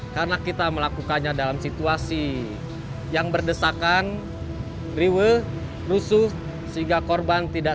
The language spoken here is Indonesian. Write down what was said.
karena kita melakukannya dalam situasi yang berdesakan riwe rusuh sehingga korban tidak